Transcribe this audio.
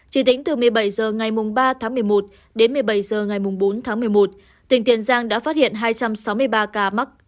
chỉ tính từ một mươi bảy h ngày ba tháng một mươi một đến một mươi bảy h ngày bốn tháng một mươi một tỉnh tiền giang đã phát hiện hai trăm sáu mươi ba ca mắc